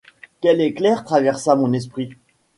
Quel éclair traversa mon esprit !